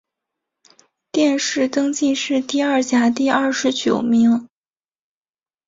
殿试登进士第二甲第二十九名。